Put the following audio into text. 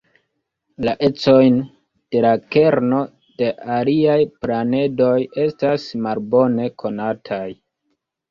La ecojn de la kerno de aliaj planedoj estas malbone konataj.